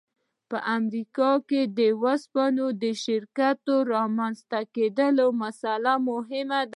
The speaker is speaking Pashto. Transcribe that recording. په امریکا کې د اوسپنې د شرکت د رامنځته کېدو مسأله مهمه ده